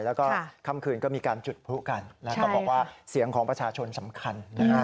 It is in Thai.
แล้วก็ค่ำคืนก็มีการจุดพลุกันแล้วก็บอกว่าเสียงของประชาชนสำคัญนะฮะ